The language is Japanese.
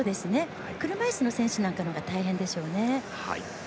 車いすの選手のほうが大変でしょうね。